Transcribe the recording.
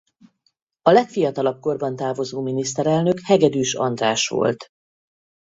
A legfiatalabb korban távozó miniszterelnök Hegedüs András volt.